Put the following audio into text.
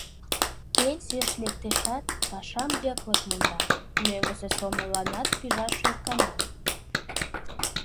Пенсийыш лектешат, пашам йыклык монда, мӧҥгысӧ сомылланат пижаш ӧркана.